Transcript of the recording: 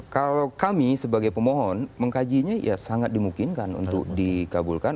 kalau kami sebagai pemohon mengkajinya ya sangat dimungkinkan untuk dikabulkan